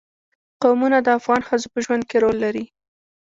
قومونه د افغان ښځو په ژوند کې رول لري.